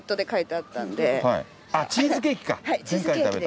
あっチーズケーキか。